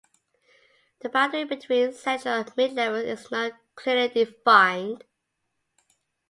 The boundary between Central and Mid-levels is not clearly defined.